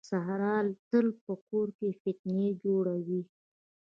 ساره تل په کور کې فتنې جوړوي.